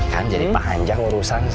kan jadi panjang urusan